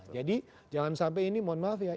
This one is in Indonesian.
jadi jangan sampai ini mohon maaf ya